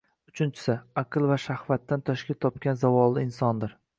Uchinchisi: aql va shahvatdan tashkil topgan zavolli insondir